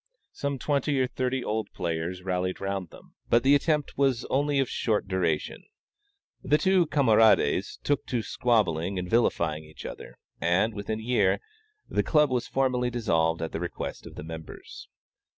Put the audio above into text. Some twenty or thirty old players rallied round them, but the attempt was only of short duration. The two camarades took to squabbling and vilifying each other; and, within a year, the Club was formally dissolved at the request of the members.